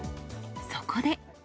そこで。